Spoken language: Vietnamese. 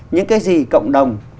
những cái gì cộng đồng